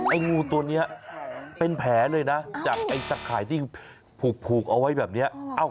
งูตัวนี้เป็นแผลเลยนะจากไอ้ตะข่ายที่ผูกเอาไว้แบบนี้